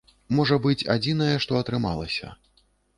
Можа быць, адзінае, што атрымалася.